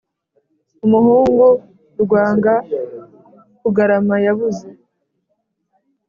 Umuhungu Rwanga kugarama yabuze